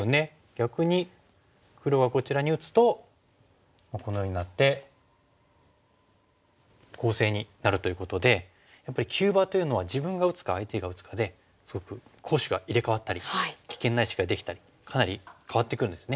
逆に黒はこちらに打つとこのようになって攻勢になるということでやっぱり急場というのは自分が打つか相手が打つかですごく攻守が入れ代わったり危険な石ができたりかなり変わってくるんですね。